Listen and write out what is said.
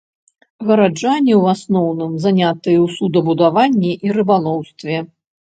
Гараджане ў асноўным занятыя ў суднабудаванні і рыбалоўстве.